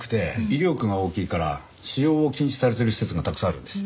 威力が大きいから使用を禁止されてる施設がたくさんあるんです。